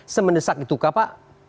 semendesak itu kapa